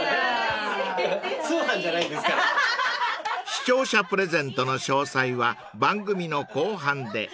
［視聴者プレゼントの詳細は番組の後半で。